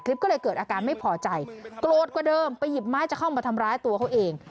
คลิปก็เลยเกิดอาการไม่พอใจโกรธกว่าเดิมไปหยิบไม้จะเข้ามาทำร้ายตัวเขาเอง